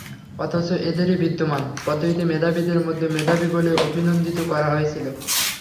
অথচ এঁদেরই বিদ্যমান পদ্ধতিতে মেধাবীদের মধ্যে মেধাবী বলে অভিনন্দিত করা হয়েছিল।